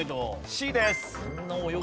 Ｃです。